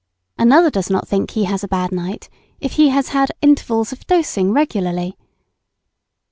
Another does not think he has a bad night if he has had intervals of dosing occasionally.